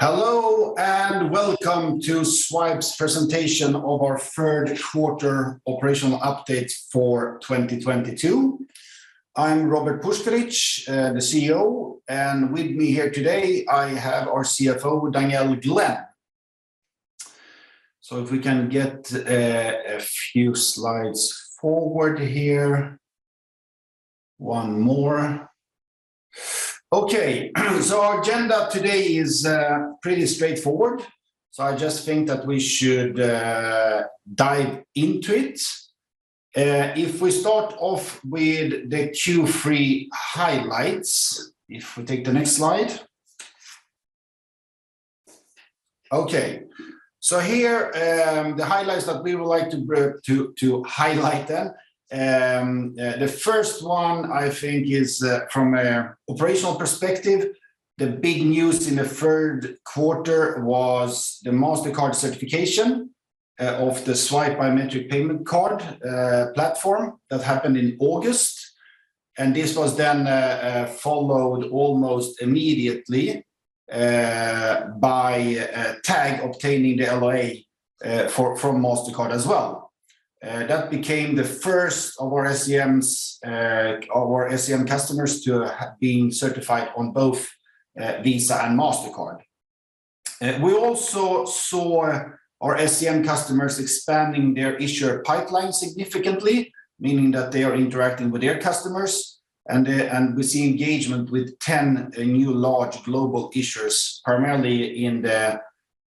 Hello, and welcome to Zwipe's presentation of our third quarter operational update for 2022. I'm Robert Puskaric, the CEO, and with me here today, I have our CFO, Danielle Glenn. If we can get a few slides forward here. One more. Okay. Our agenda today is pretty straightforward. I just think that we should dive into it. If we start off with the Q3 highlights, if we take the next slide. Okay. Here, the highlights that we would like to bring to highlight then, the first one I think is from an operational perspective, the big news in the third quarter was the Mastercard certification of the Zwipe biometric payment card platform that happened in August. This was then followed almost immediately by Tag obtaining the LOA from Mastercard as well. That became the first of our SCM customers to have been certified on both Visa and Mastercard. We also saw our SCM customers expanding their issuer pipeline significantly, meaning that they are interacting with their customers and we see engagement with 10 new large global issuers, primarily in the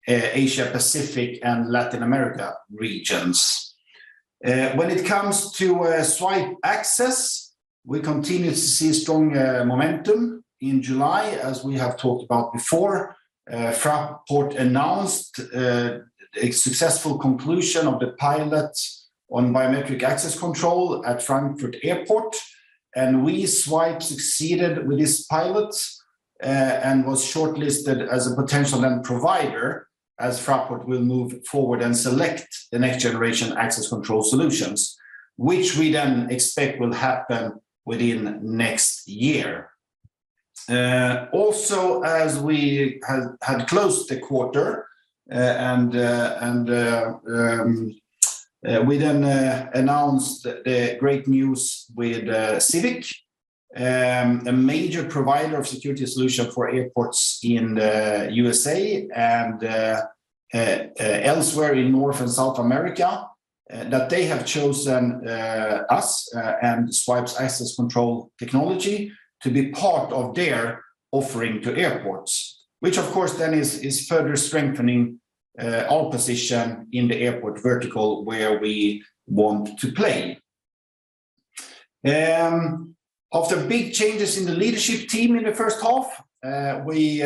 Asia-Pacific and Latin America regions. When it comes to Zwipe Access, we continue to see strong momentum. In July, as we have talked about before, Fraport announced a successful conclusion of the pilot on biometric access control at Frankfurt Airport, and we, Zwipe, succeeded with this pilot, and was shortlisted as a potential end provider as Fraport will move forward and select the next generation access control solutions, which we then expect will happen within next year. Also, as we had closed the quarter, we then announced great news with Civix, a major provider of security solution for airports in the USA and elsewhere in North and South America, that they have chosen us and Zwipe's access control technology to be part of their offering to airports, which of course then is further strengthening our position in the airport vertical where we want to play. After big changes in the leadership team in the first half, we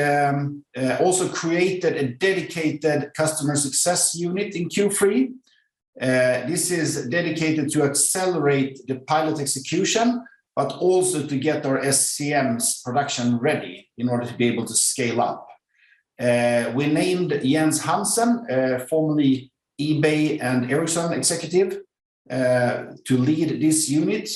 also created a dedicated customer success unit in Q3. This is dedicated to accelerate the pilot execution, but also to get our SCMs production ready in order to be able to scale up. We named Jens Hansen, formerly eBay and Ericsson executive, to lead this unit,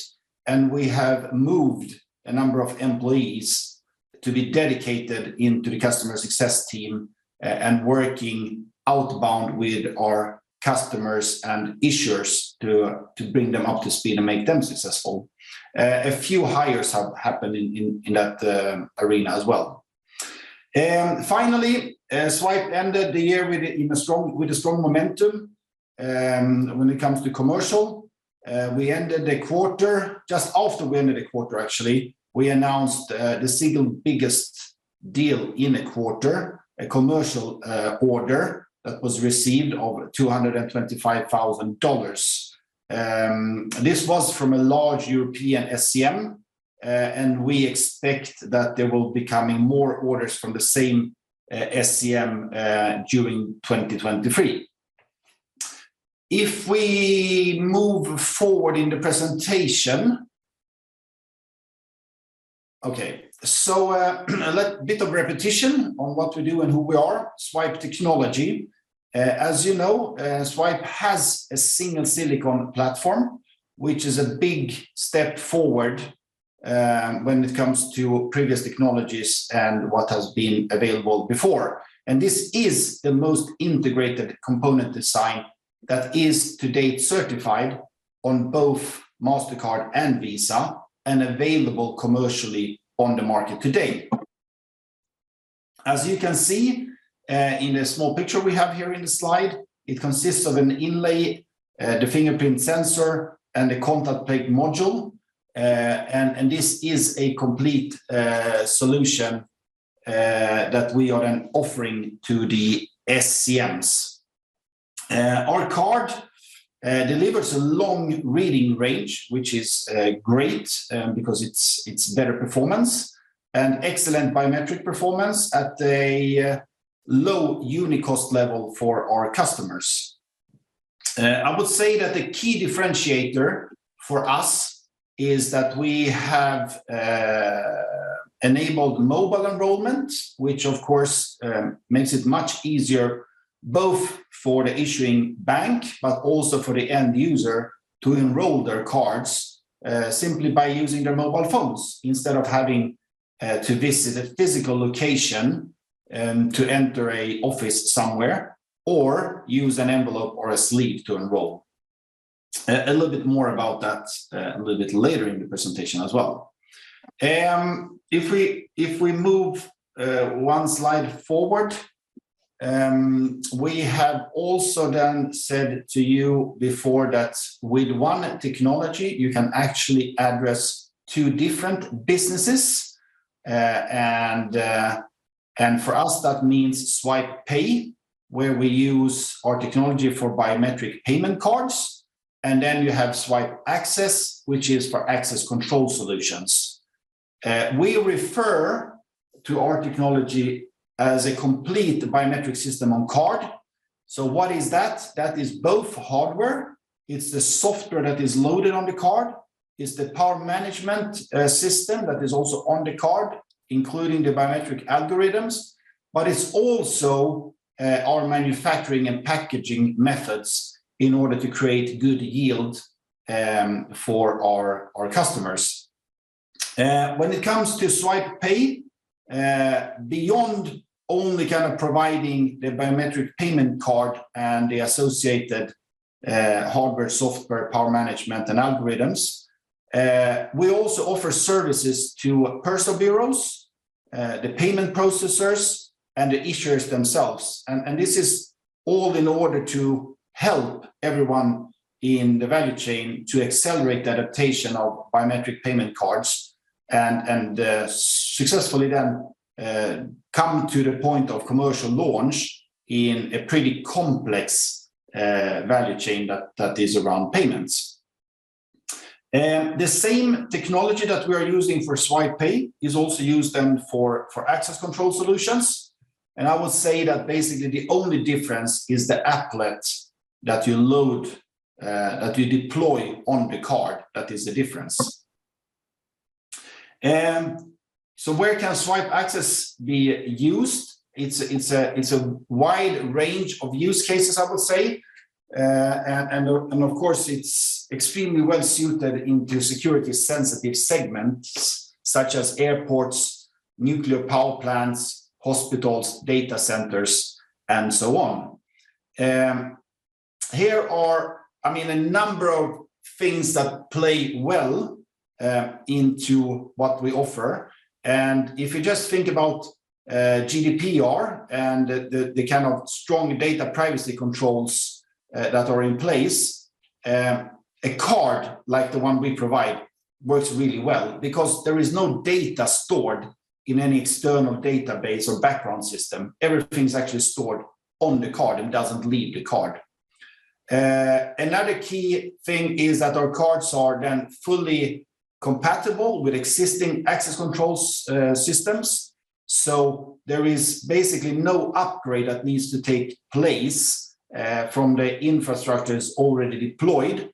and we have moved a number of employees to be dedicated into the customer success team and working outbound with our customers and issuers to bring them up to speed and make them successful. A few hires have happened in that arena as well. Finally, Zwipe ended the year with a strong momentum when it comes to commercial. Just after we ended the quarter, actually, we announced the single biggest deal in a quarter, a commercial order that was received of $225,000. This was from a large European SCM, and we expect that there will be coming more orders from the same SCM during 2023. If we move forward in the presentation. Okay. A little bit of repetition on what we do and who we are, Zwipe. As you know, Zwipe has a single silicon platform, which is a big step forward, when it comes to previous technologies and what has been available before. This is the most integrated component design that is to date certified on both Mastercard and Visa and available commercially on the market today. As you can see, in the small picture we have here in the slide, it consists of an inlay, the fingerprint sensor, and a contact plate module. This is a complete solution that we are then offering to the SCMs. Our card delivers a long reading range, which is great, because it's better performance and excellent biometric performance at a low unit cost level for our customers. I would say that the key differentiator for us is that we have enabled mobile enrollment, which of course makes it much easier both for the issuing bank, but also for the end user to enroll their cards simply by using their mobile phones instead of having to visit a physical location and to enter an office somewhere, or use an envelope or a sleeve to enroll. A little bit more about that a little bit later in the presentation as well. If we move one slide forward, we have also then said to you before that with one technology, you can actually address two different businesses. For us, that means Zwipe Pay, where we use our technology for biometric payment cards, and then you have Zwipe Access, which is for access control solutions. We refer to our technology as a complete biometric system-on-card. What is that? That is both hardware, it's the software that is loaded on the card, it's the power management system that is also on the card, including the biometric algorithms, but it's also our manufacturing and packaging methods in order to create good yield for our customers. When it comes to Zwipe Pay, beyond only kind of providing the biometric payment card and the associated hardware, software, power management, and algorithms, we also offer services to personalization bureaus, the payment processors, and the issuers themselves. This is all in order to help everyone in the value chain to accelerate the adoption of biometric payment cards and successfully come to the point of commercial launch in a pretty complex value chain that is around payments. The same technology that we are using for Zwipe Pay is also used for access control solutions, and I would say that basically the only difference is the applet that you load that you deploy on the card that is the difference. Where can Zwipe Access be used? It's a wide range of use cases, I would say, and of course, it's extremely well-suited to security-sensitive segments such as airports, nuclear power plants, hospitals, data centers, and so on. There are, I mean, a number of things that play well into what we offer, and if you just think about GDPR and the kind of strong data privacy controls that are in place, a card like the one we provide works really well because there is no data stored in any external database or background system. Everything's actually stored on the card and doesn't leave the card. Another key thing is that our cards are then fully compatible with existing access control systems, so there is basically no upgrade that needs to take place in the infrastructures already deployed.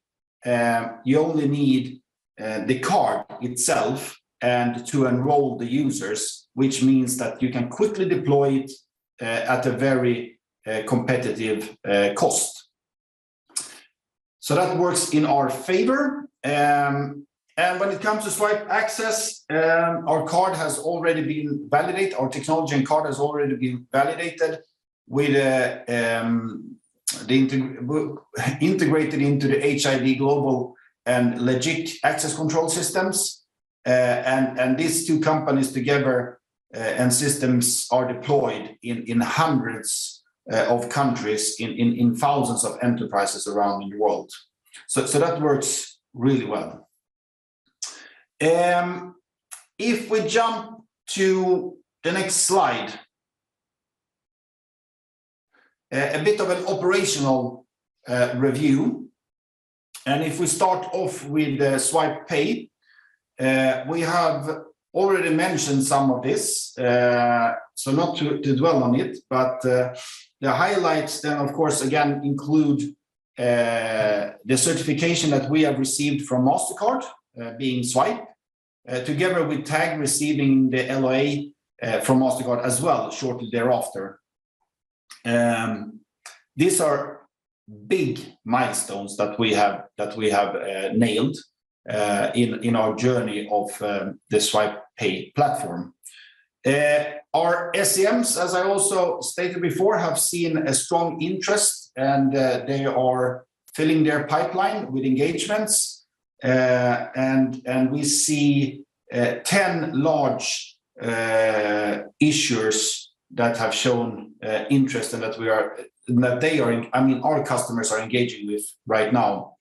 You only need the card itself and to enroll the users, which means that you can quickly deploy it at a very competitive cost. That works in our favor, and when it comes to Zwipe Access, our technology and card has already been validated and integrated into the HID Global and LEGIC access control systems, and these two companies together and systems are deployed in thousands of enterprises around the world. That works really well. If we jump to the next slide. A bit of an operational review, and if we start off with Zwipe Pay, we have already mentioned some of this, so not to dwell on it, but the highlights then of course again include the certification that we have received from Mastercard, being Zwipe together with Tag receiving the LOA from Mastercard as well shortly thereafter. These are big milestones that we have nailed in our journey of the Zwipe Pay platform. Our SCMs, as I also stated before, have seen a strong interest, and they are filling their pipeline with engagements, and we see 10 large issuers that have shown interest and that they are, I mean, our customers are engaging with right now.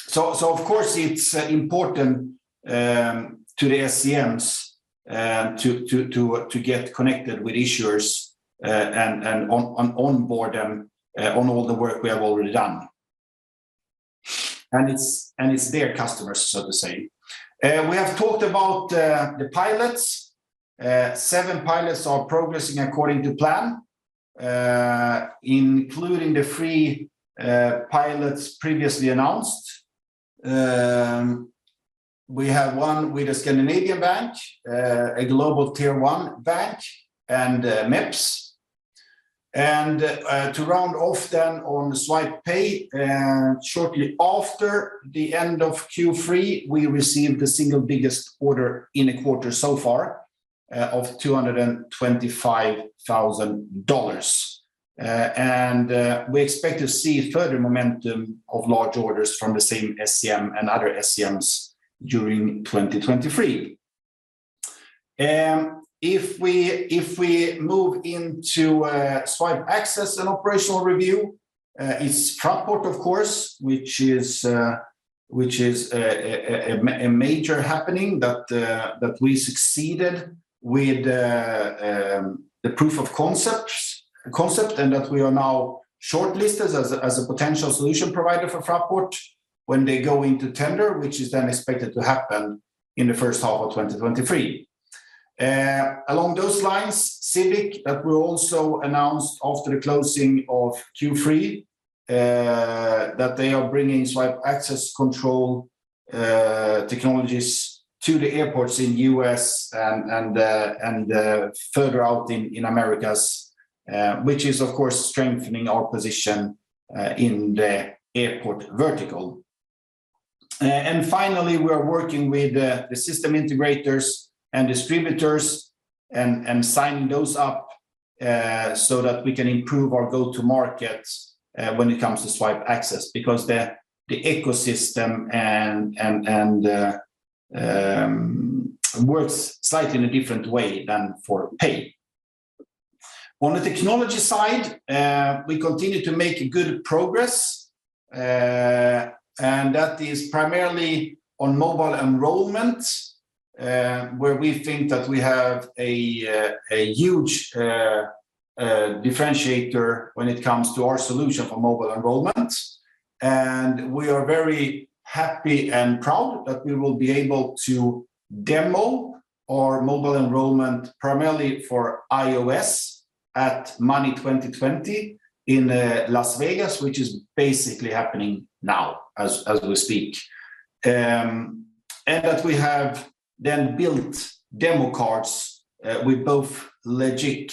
So of course it's important to the SCMs to get connected with issuers and onboard them on all the work we have already done. It's their customers, so to say. We have talked about the pilots. Seven pilots are progressing according to plan, including the three pilots previously announced. We have one with a Scandinavian bank, a global tier one bank and MEPS. To round off then on Zwipe Pay, shortly after the end of Q3, we received the single biggest order in a quarter so far of $225,000. We expect to see further momentum of large orders from the same SCM and other SCMs during 2023. If we move into Zwipe Access and operational review, Fraport, of course, which is a major happening that we succeeded with the proof of concept, and that we are now shortlisted as a potential solution provider for Fraport when they go into tender, which is then expected to happen in the first half of 2023. Along those lines, Civix, that we also announced after the closing of Q3, that they are bringing Zwipe Access control technologies to the airports in U.S. and further out in Americas, which is of course strengthening our position in the airport vertical. Finally, we are working with the system integrators and distributors and signing those up so that we can improve our go-to markets when it comes to Zwipe Access, because the ecosystem and works slightly in a different way than for Zwipe Pay. On the technology side, we continue to make good progress, and that is primarily on mobile enrollment, where we think that we have a huge differentiator when it comes to our solution for mobile enrollment. We are very happy and proud that we will be able to demo our mobile enrollment primarily for iOS at Money20/20 in Las Vegas, which is basically happening now as we speak. That we have then built demo cards with both LEGIC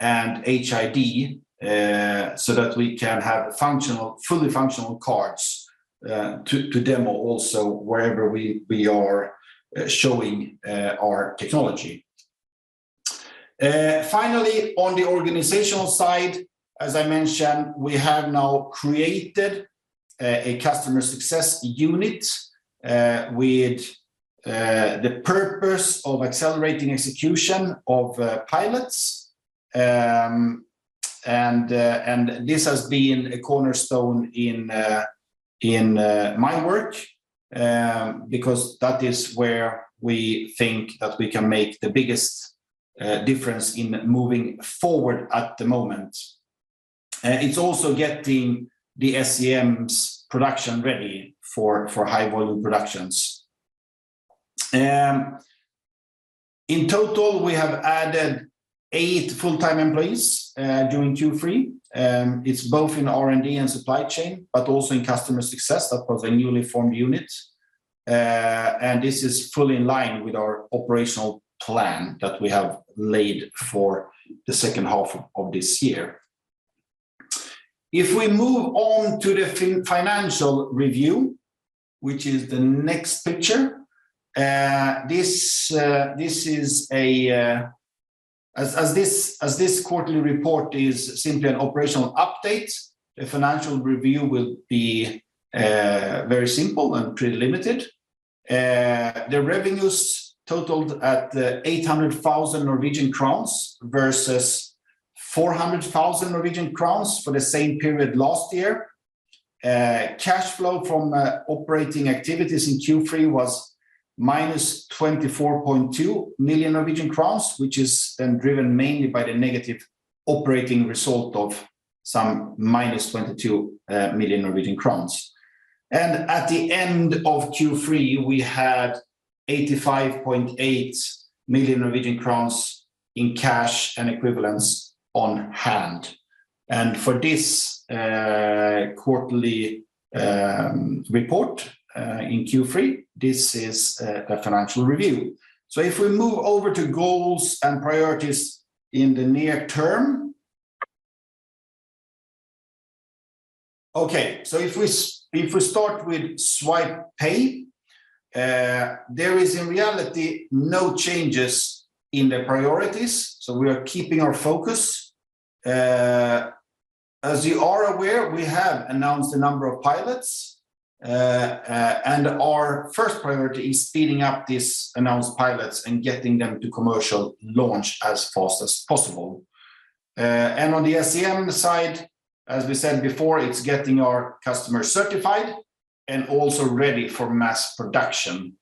and HID so that we can have fully functional cards to demo also wherever we are showing our technology. Finally, on the organizational side, as I mentioned, we have now created a customer success unit with the purpose of accelerating execution of pilots. This has been a cornerstone in my work because that is where we think that we can make the biggest difference in moving forward at the moment. It's also getting the SCM's production ready for high-volume productions. In total, we have added eight full-time employees during Q3. It's both in R&D and supply chain, but also in customer success, of course, a newly formed unit. This is fully in line with our operational plan that we have laid for the second half of this year. If we move on to the financial review, which is the next picture, as this quarterly report is simply an operational update, the financial review will be very simple and pretty limited. The revenues totaled at 800 thousand Norwegian crowns versus 400 thousand Norwegian crowns for the same period last year. Cash flow from operating activities in Q3 was -24.2 million Norwegian crowns, which is then driven mainly by the negative operating result of some -22 million Norwegian crowns. At the end of Q3, we had 85.8 million Norwegian crowns in cash and equivalents on hand. For this quarterly report in Q3, this is the financial review. If we move over to goals and priorities in the near term. If we start with Zwipe Pay, there is in reality no changes in the priorities, so we are keeping our focus. As you are aware, we have announced a number of pilots, and our first priority is speeding up these announced pilots and getting them to commercial launch as fast as possible. On the SCM side, as we said before, it's getting our customers certified and also ready for mass production.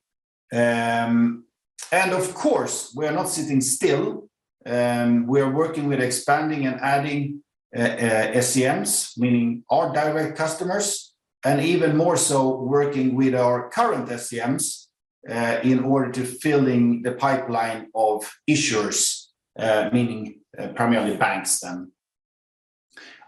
Of course, we are not sitting still. We are working with expanding and adding SCMs, meaning our direct customers, and even more so working with our current SCMs in order to filling the pipeline of issuers, meaning primarily banks, then.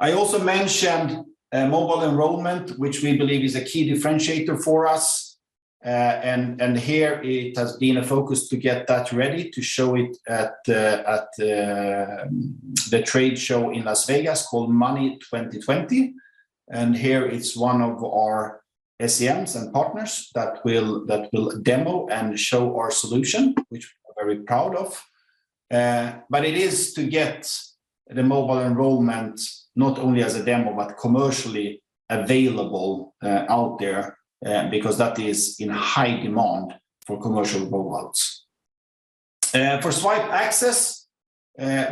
I also mentioned mobile enrollment, which we believe is a key differentiator for us. Here it has been a focus to get that ready to show it at the trade show in Las Vegas called Money20/20. Here it's one of our SCMs and partners that will demo and show our solution, which we're very proud of. It is to get the mobile enrollment not only as a demo, but commercially available out there, because that is in high demand for commercial rollouts. For Zwipe Access,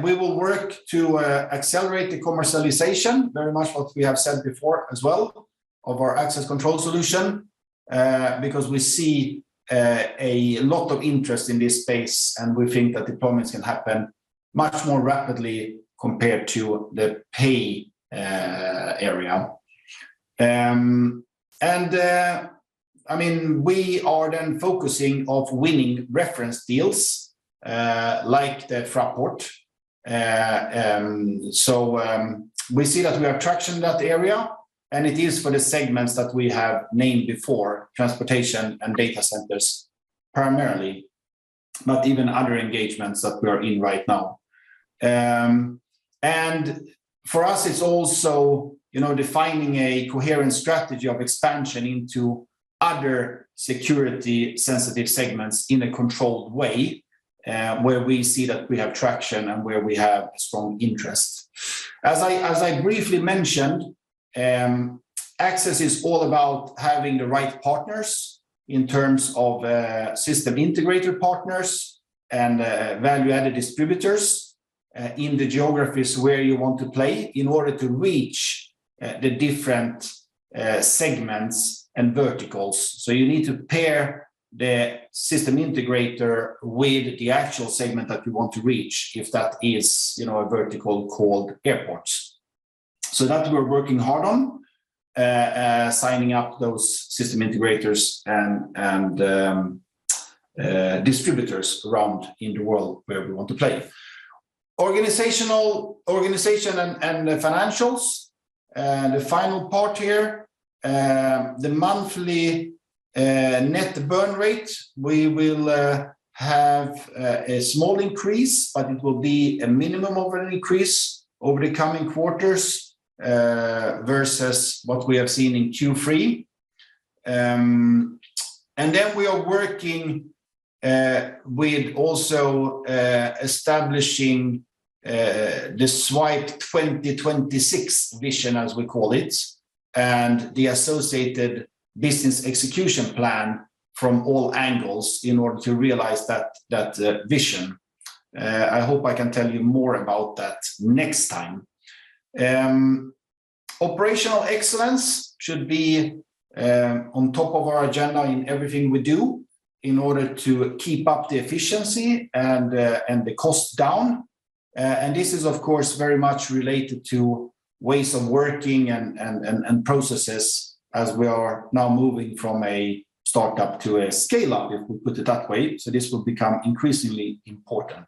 we will work to accelerate the commercialization, very much what we have said before as well, of our access control solution, because we see a lot of interest in this space, and we think that deployments can happen much more rapidly compared to the pay area. I mean, we are then focusing on winning reference deals, like Fraport. We see that we have traction in that area, and it is for the segments that we have named before, transportation and data centers primarily, but even other engagements that we are in right now. For us, it's also, you know, defining a coherent strategy of expansion into other security-sensitive segments in a controlled way, where we see that we have traction and where we have strong interest. As I briefly mentioned, access is all about having the right partners in terms of system integrator partners and value-added distributors in the geographies where you want to play in order to reach the different segments and verticals. You need to pair the system integrator with the actual segment that you want to reach, if that is, you know, a vertical called airports. That we're working hard on signing up those system integrators and distributors around in the world where we want to play. Organization and financials, the final part here. The monthly net burn rate, we will have a small increase, but it will be a minimum of an increase over the coming quarters versus what we have seen in Q3. Then we are working with also establishing the Zwipe 2026 vision, as we call it, and the associated business execution plan from all angles in order to realize that vision. I hope I can tell you more about that next time. Operational excellence should be on top of our agenda in everything we do in order to keep up the efficiency and the cost down. This is, of course, very much related to ways of working and processes as we are now moving from a startup to a scale-up, if we put it that way. This will become increasingly important.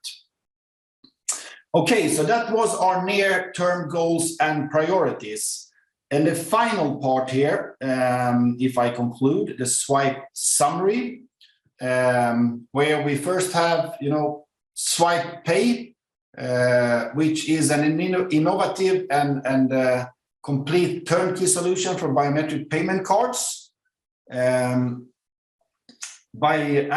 Okay, that was our near term goals and priorities. The final part here, if I conclude, the Zwipe summary, where we first have, you know, Zwipe Pay, which is an innovative and complete turnkey solution for biometric payment cards, by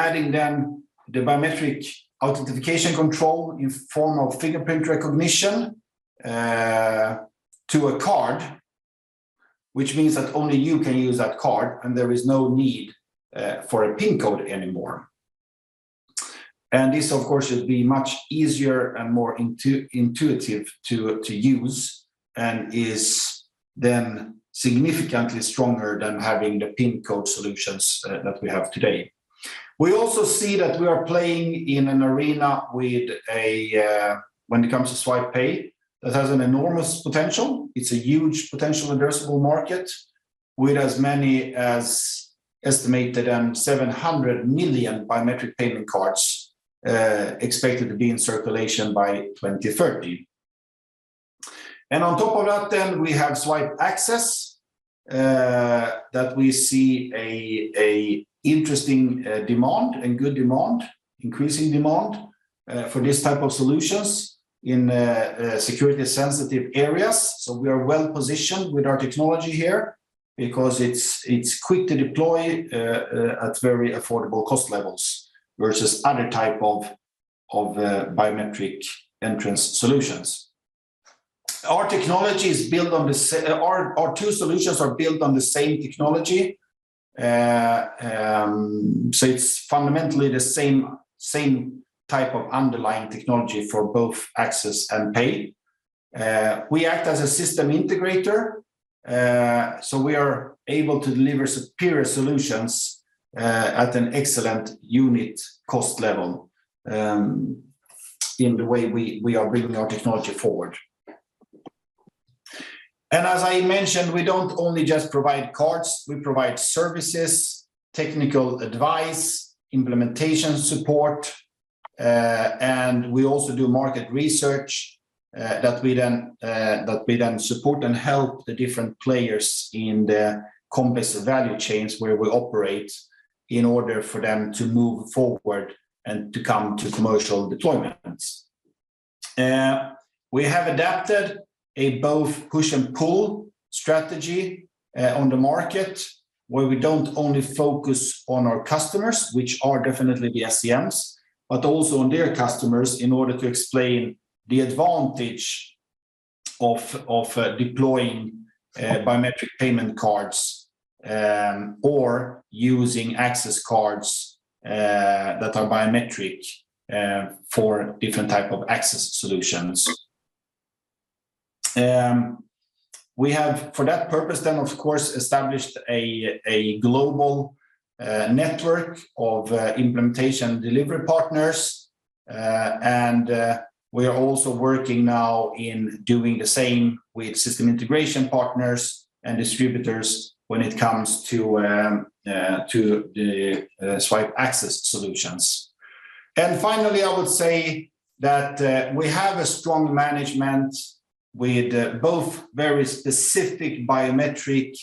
adding then the biometric authentication control in form of fingerprint recognition to a card, which means that only you can use that card, and there is no need for a PIN code anymore. This, of course, should be much easier and more intuitive to use and is then significantly stronger than having the PIN code solutions that we have today. We also see that we are playing in an arena with a, when it comes to Zwipe Pay, that has an enormous potential. It's a huge potential addressable market with as many as estimated 700 million biometric payment cards expected to be in circulation by 2030. On top of that, we have Zwipe Access that we see an interesting demand and good demand, increasing demand for this type of solutions in security sensitive areas. We are well-positioned with our technology here because it's quick to deploy at very affordable cost levels versus other type of biometric entrance solutions. Our technology is built on the—Our two solutions are built on the same technology. It's fundamentally the same type of underlying technology for both access and pay. We act as a system integrator, so we are able to deliver superior solutions at an excellent unit cost level, in the way we are bringing our technology forward. As I mentioned, we don't only just provide cards, we provide services, technical advice, implementation support. We also do market research that we then support and help the different players in their complex value chains where we operate in order for them to move forward and to come to commercial deployments. We have adapted a both push and pull strategy on the market where we don't only focus on our customers, which are definitely the SCMs, but also on their customers in order to explain the advantage of deploying biometric payment cards or using access cards that are biometric for different type of access solutions. We have for that purpose then, of course, established a global network of implementation delivery partners. We are also working now in doing the same with system integration partners and distributors when it comes to the Zwipe Access solutions. Finally, I would say that we have a strong management with both very specific biometric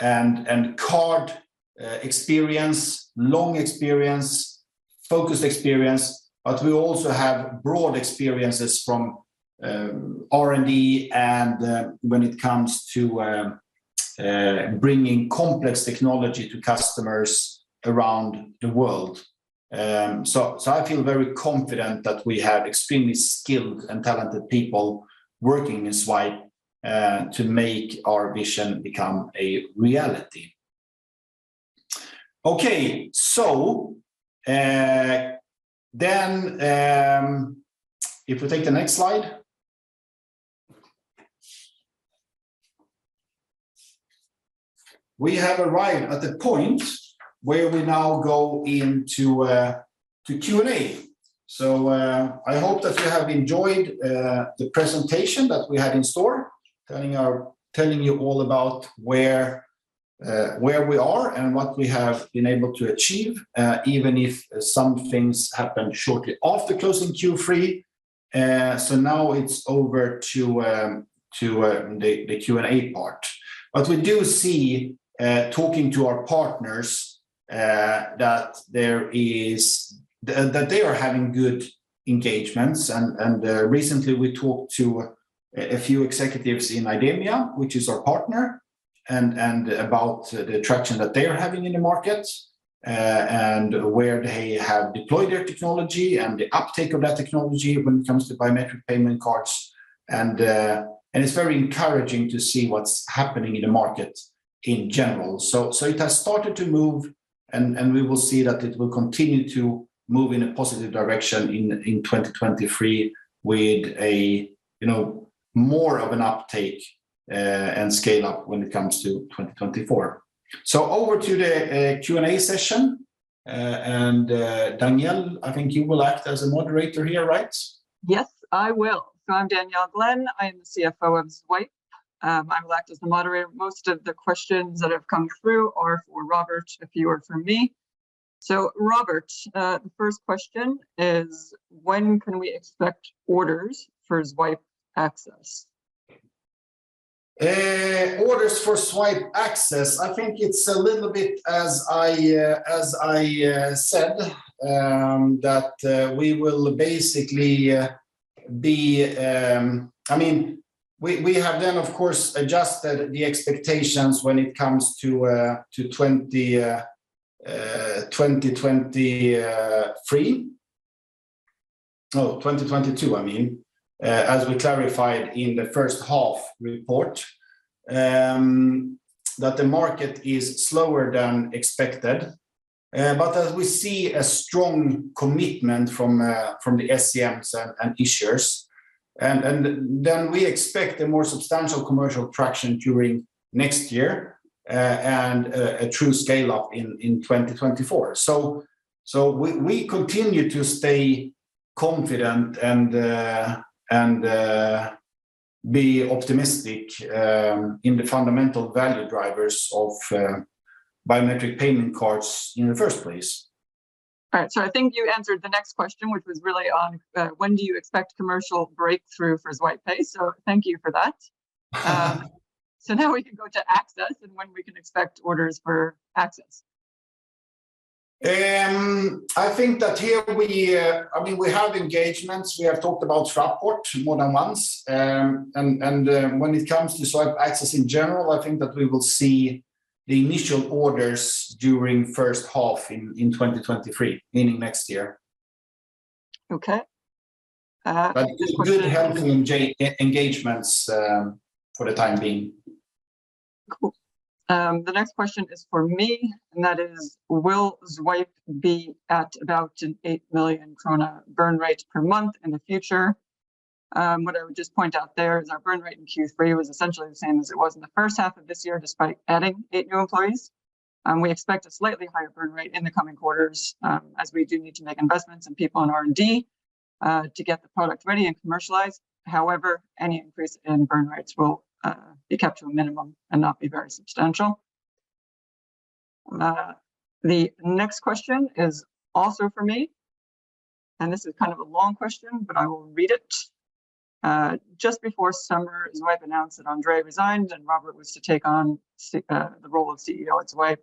and card experience, long experience, focused experience, but we also have broad experiences from R&D and when it comes to bringing complex technology to customers around the world. I feel very confident that we have extremely skilled and talented people working in Zwipe to make our vision become a reality. Okay. If we take the next slide. We have arrived at the point where we now go into Q&A. I hope that you have enjoyed the presentation that we had in store, telling you all about where we are and what we have been able to achieve, even if some things happened shortly after closing Q3. Now it's over to the Q&A part. We do see, talking to our partners, that they are having good engagements. Recently we talked to a few executives in IDEMIA, which is our partner, and about the traction that they are having in the market, and where they have deployed their technology and the uptake of that technology when it comes to biometric payment cards. It's very encouraging to see what's happening in the market in general. It has started to move and we will see that it will continue to move in a positive direction in 2023 with, you know, more of an uptake and scale-up when it comes to 2024. Over to the Q&A session. Danielle, I think you will act as a moderator here, right? Yes, I will. I'm Danielle Glenn. I'm the CFO of Zwipe. I will act as the moderator. Most of the questions that have come through are for Robert, a few are for me. Robert, the first question is, when can we expect orders for Zwipe Access? Orders for Zwipe Access, I think it's a little bit as I said. I mean, we have then of course adjusted the expectations when it comes to 2023. No, 2022, I mean, as we clarified in the first half report, that the market is slower than expected. We see a strong commitment from the SCMs and issuers, and then we expect a more substantial commercial traction during next year, and a true scale up in 2024. We continue to stay confident and be optimistic in the fundamental value drivers of biometric payment cards in the first place. All right. I think you answered the next question, which was really on when do you expect commercial breakthrough for Zwipe Pay? Thank you for that. Now we can go to Access and when we can expect orders for Access. I think that, I mean, we have engagements, we have talked about Fraport more than once. When it comes to Zwipe Access in general, I think that we will see the initial orders during first half in 2023, meaning next year. Okay. Good healthy engagements, for the time being. Cool. The next question is for me, and that is, will Zwipe be at about a 8 million krone burn rate per month in the future? What I would just point out there is our burn rate in Q3 was essentially the same as it was in the first half of this year, despite adding eight new employees. We expect a slightly higher burn rate in the coming quarters, as we do need to make investments in people and R&D, to get the product ready and commercialized. However, any increase in burn rates will be kept to a minimum and not be very substantial. The next question is also for me, and this is kind of a long question but I will read it. Just before summer, Zwipe announced that André resigned and Robert was to take on the role of CEO at Zwipe.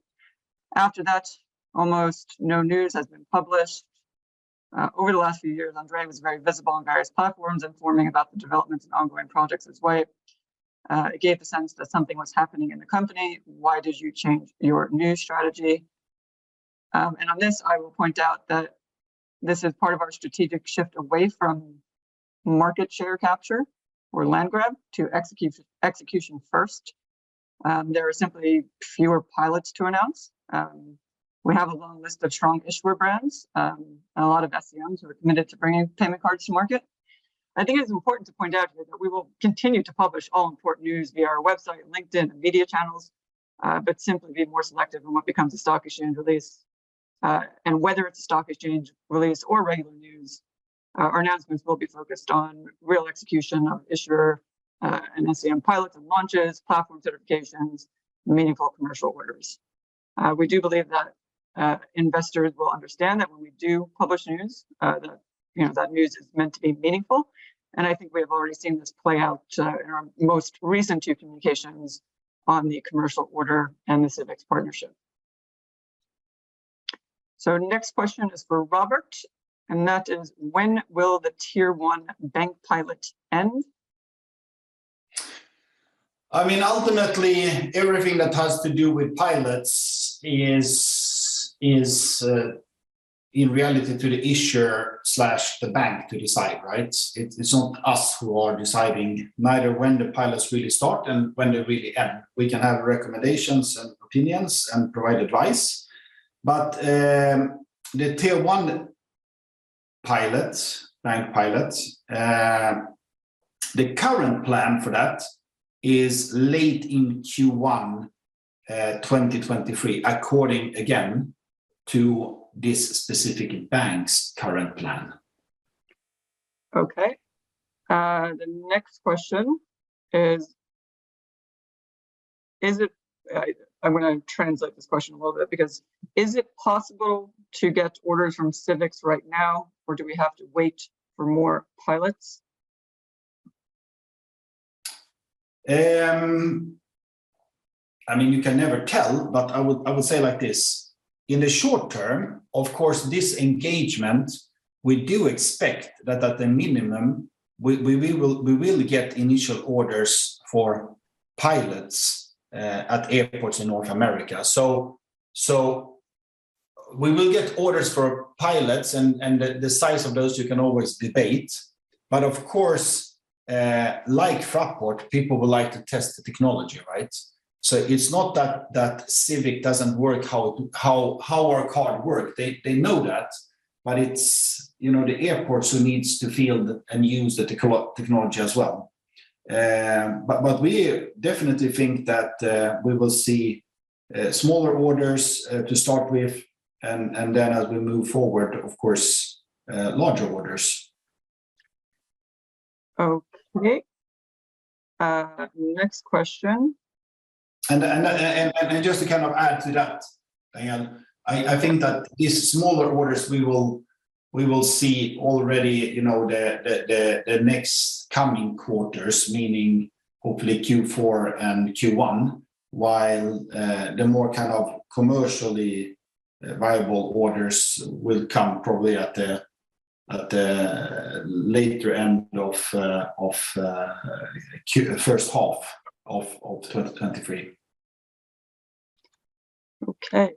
After that, almost no news has been published. Over the last few years, André was very visible on various platforms informing about the developments and ongoing projects at Zwipe. It gave the sense that something was happening in the company. Why did you change your news strategy? On this I will point out that this is part of our strategic shift away from market share capture or land grab to execution first. There are simply fewer pilots to announce. We have a long list of strong issuer brands, and a lot of SCMs who are committed to bringing payment cards to market. I think it's important to point out here that we will continue to publish all important news via our website and LinkedIn and media channels, but simply be more selective in what becomes a stock exchange release. Whether it's a stock exchange release or regular news, our announcements will be focused on real execution of issuer, and SCM pilots and launches, platform certifications, and meaningful commercial orders. We do believe that investors will understand that when we do publish news, that, you know, that news is meant to be meaningful, and I think we have already seen this play out, in our most recent two communications on the commercial order and the Civix partnership. Next question is for Robert, and that is. When will the tier one bank pilot end? I mean, ultimately, everything that has to do with pilots is in reality to the issuer, the bank to decide, right? It's not us who are deciding neither when the pilots really start and when they really end. We can have recommendations and opinions and provide advice, but the tier one pilots, bank pilots, the current plan for that is late in Q1, 2023, according, again, to this specific bank's current plan. Okay. The next question is, I'm gonna translate this question a little bit because is it possible to get orders from Civix right now, or do we have to wait for more pilots? I mean, you can never tell, but I would say like this. In the short term, of course, this engagement, we do expect that at the minimum, we will get initial orders for pilots at airports in North America. We will get orders for pilots, and the size of those you can always debate. Of course, like Fraport, people will like to test the technology, right? It's not that Civix doesn't work, how our card works. They know that, but it's, you know, the airports who need to feel and use the technology as well. We definitely think that we will see smaller orders to start with and then as we move forward, of course, larger orders. Okay. Next question. Just to kind of add to that, Danielle, I think that these smaller orders we will see already, you know, the next coming quarters, meaning hopefully Q4 and Q1, while the more kind of commercially viable orders will come probably at the later end of first half of 2023. The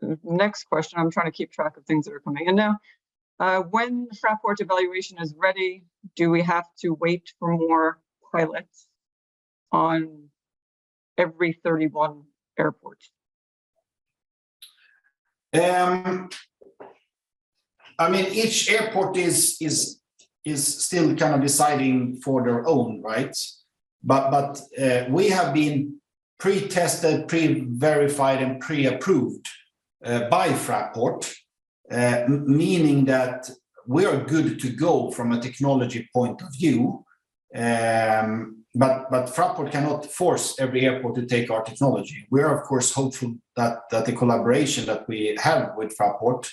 next question, I'm trying to keep track of things that are coming in now. When Fraport evaluation is ready, do we have to wait for more pilots on every 31 airport? I mean, each airport is still kind of deciding for their own right. We have been pre-tested, pre-verified, and pre-approved by Fraport, meaning that we are good to go from a technology point of view. Fraport cannot force every airport to take our technology. We are, of course, hopeful that the collaboration that we have with Fraport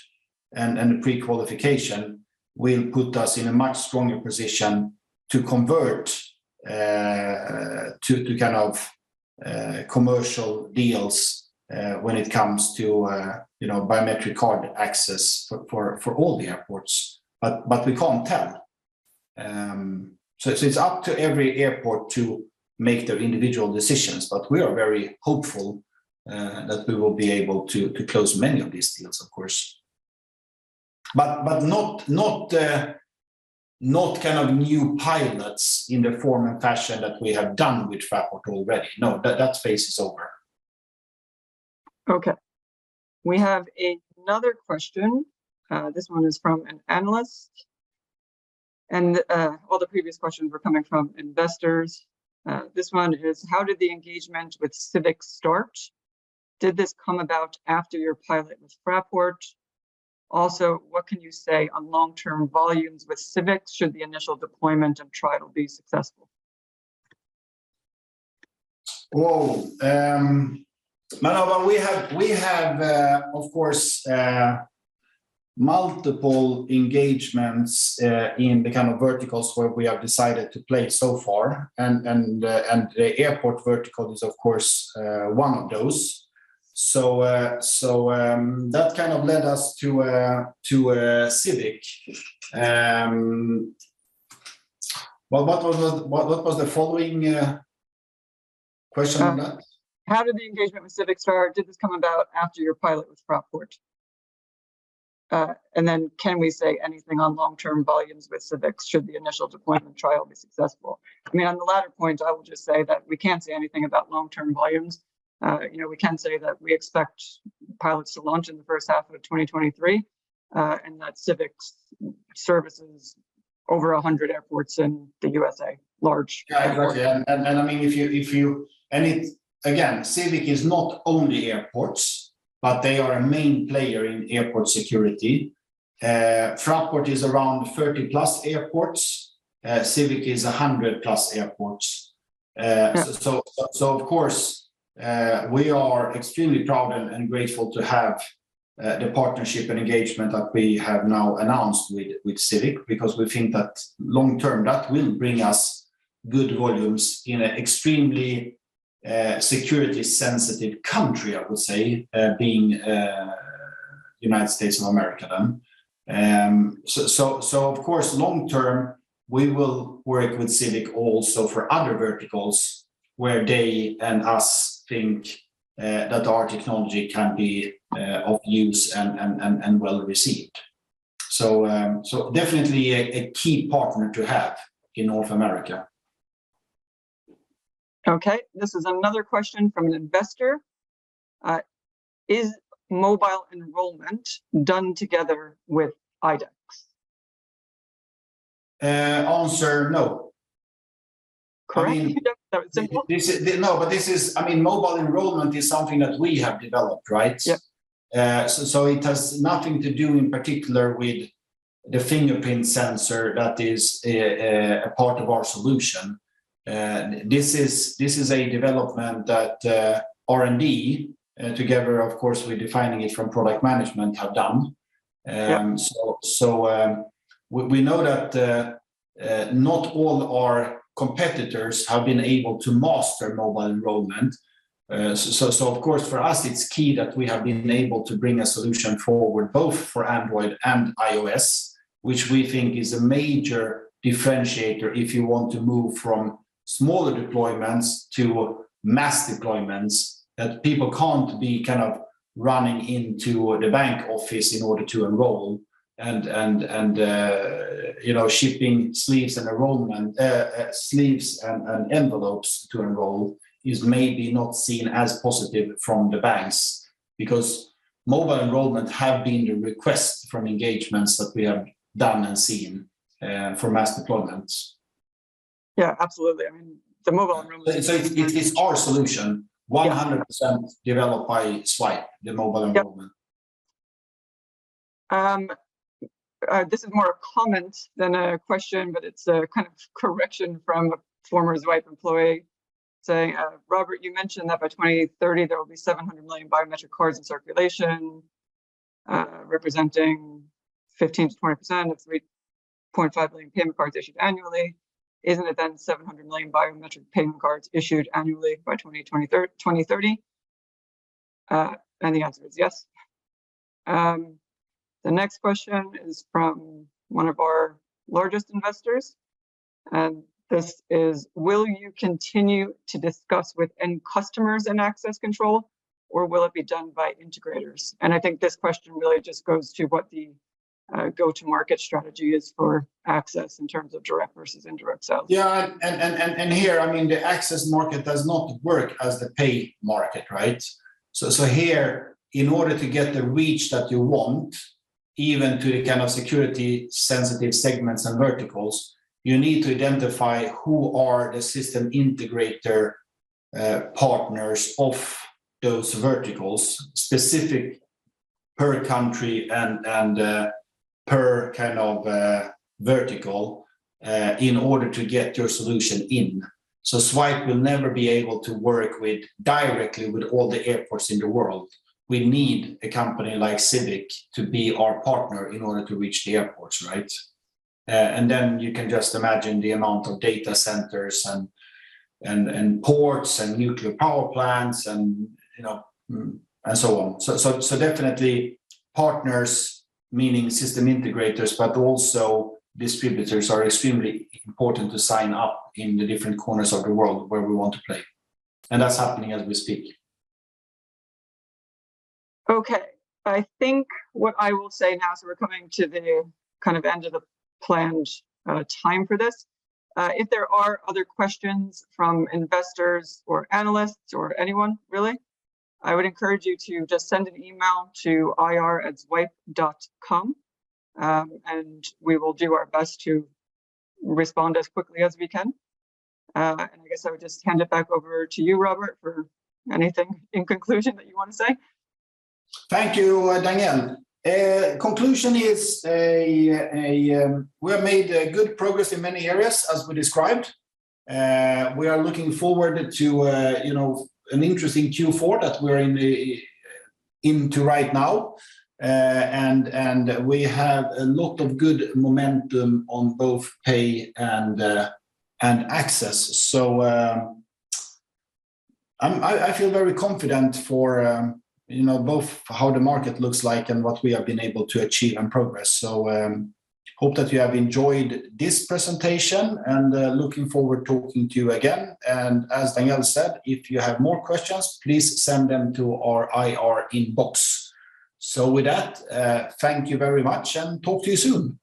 and the pre-qualification will put us in a much stronger position to convert to kind of commercial deals when it comes to, you know, biometric card access for all the airports. We can't tell. It's up to every airport to make their individual decisions, but we are very hopeful that we will be able to close many of these deals, of course. Not kind of new pilots in the form and fashion that we have done with Fraport already. No, that phase is over. Okay. We have another question. This one is from an analyst, and all the previous questions were coming from investors. This one is: How did the engagement with Civix start? Did this come about after your pilot with Fraport? Also, what can you say on long-term volumes with Civix should the initial deployment and trial be successful? Whoa. No, but we have of course multiple engagements in the kind of verticals where we have decided to play so far, and the airport vertical is of course one of those. That kind of led us to a Civix. What was the following question on that? How did the engagement with Civix start? Did this come about after your pilot with Fraport? Can we say anything on long-term volumes with Civix should the initial deployment trial be successful? I mean, on the latter point, I would just say that we can't say anything about long-term volumes. You know, we can say that we expect pilots to launch in the first half of 2023, and that Civix serves over 100 airports in the USA, large airports. Again, Civix is not only airports, but they are a main player in airport security. Fraport is around 30+ airports. Civix is 100+ airports. Yeah... so of course, we are extremely proud and grateful to have the partnership and engagement that we have now announced with Civix because we think that long-term, that will bring us good volumes in an extremely security sensitive country, I would say, being United States of America then. Of course, long-term, we will work with Civix also for other verticals where they and us think that our technology can be of use and well-received. Definitely a key partner to have in North America. Okay. This is another question from an investor. Is mobile enrollment done together with IDEX? Answer no. Correct. Simple. I mean, mobile enrollment is something that we have developed, right? Yep. It has nothing to do in particular with the fingerprint sensor that is a part of our solution. This is a development that R&D, together of course with input from product management, have done. Yep We know that not all our competitors have been able to master mobile enrollment. Of course, for us, it's key that we have been able to bring a solution forward both for Android and iOS, which we think is a major differentiator if you want to move from smaller deployments to mass deployments, that people can't be kind of running into the bank office in order to enroll and you know, shipping sleeves and enrollment sleeves and envelopes to enroll is maybe not seen as positive from the banks because mobile enrollment have been the request from engagements that we have done and seen for mass deployments. Yeah. Absolutely. I mean, the mobile enrollment. It's our solution 100% developed by Zwipe, the mobile enrollment. Yep. This is more a comment than a question, but it's a kind of correction from a former Zwipe employee saying, "Robert, you mentioned that by 2030 there will be 700 million biometric cards in circulation, representing 15%-20% of 3.5 billion payment cards issued annually. Isn't it then 700 million biometric payment cards issued annually by 2030?" The answer is yes. The next question is from one of our largest investors, and this is, will you continue to discuss with end customers in access control, or will it be done by integrators? I think this question really just goes to what the go-to-market strategy is for access in terms of direct versus indirect sales. Yeah. Here, I mean, the access market does not work as the pay market, right? Here, in order to get the reach that you want, even to the kind of security sensitive segments and verticals, you need to identify who are the system integrator partners of those verticals, specific per country and per kind of vertical, in order to get your solution in. Zwipe will never be able to work with, directly with all the airports in the world. We need a company like Civix to be our partner in order to reach the airports, right? You can just imagine the amount of data centers and ports and nuclear power plants and, you know, and so on. Definitely partners, meaning system integrators, but also distributors are extremely important to sign up in the different corners of the world where we want to play. That's happening as we speak. Okay. I think what I will say now, so we're coming to the kind of end of the planned time for this, if there are other questions from investors or analysts or anyone really, I would encourage you to just send an email to ir@zwipe.com, and we will do our best to respond as quickly as we can. I guess I would just hand it back over to you, Robert, for anything in conclusion that you wanna say. Thank you, Danielle. Conclusion is we have made good progress in many areas as we described. We are looking forward to you know, an interesting Q4 that we're into right now. We have a lot of good momentum on both pay and access. I feel very confident for you know, both how the market looks like and what we have been able to achieve and progress. Hope that you have enjoyed this presentation and looking forward talking to you again. As Danielle said, if you have more questions, please send them to our IR inbox. With that, thank you very much and talk to you soon.